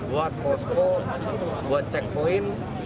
buat posko buat cek poin